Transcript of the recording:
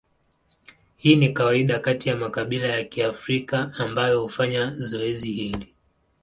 Hii ni kawaida kati ya makabila ya Kiafrika ambayo hufanya zoezi hili.